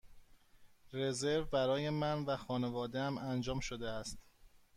رزرو برای من و خانواده ام انجام شده است.